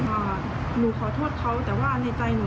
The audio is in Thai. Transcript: หนูขอโทษเขาแต่ว่าในใจหนู